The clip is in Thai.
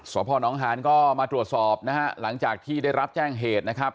พ่อน้องหานก็มาตรวจสอบนะฮะหลังจากที่ได้รับแจ้งเหตุนะครับ